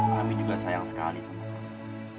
kami juga sayang sekali sama kami